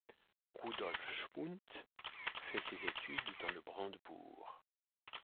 Rudolf Schmundt fait ses études dans le Brandebourg.